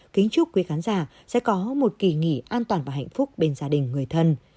kính chúc quý khán giả sẽ có một kỳ nghỉ an toàn và hạnh phúc bên gia đình người thân